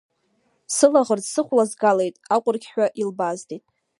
Сылаӷырӡ сыхәлазгалеит, аҟәырқьҳәа илбааздеит.